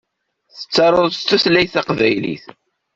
Tettaruḍ s tutlayt taqbaylit.